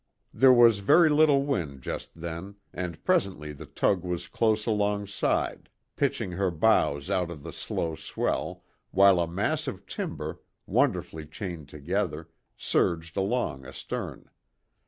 There was very little wind just then and presently the tug was close alongside, pitching her bows out of the slow swell, while a mass of timber, wonderfully chained together, surged along astern.